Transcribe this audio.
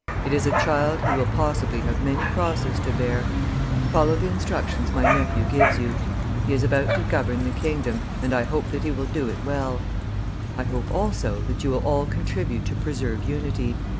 It is a child who will possibly have many crosses to bear. Follow the instructions my nephew gives you; he is about to govern the kingdom, and I hope that he will do it well; I hope also that you will all contribute to preserve unity.